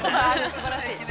◆すばらしい。